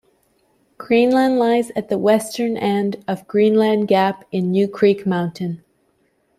Greenland lies at the western end of Greenland Gap in New Creek Mountain.